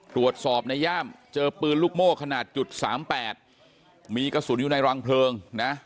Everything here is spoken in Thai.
ตรวจสอบในย่ามเจอปืนลูกโม่ขนาดจุดสามแปดมีกระสุนอยู่ในรังเพลิงนะ